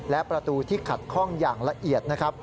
และประตูที่ขัดข้องอย่างละเอียดนะครับ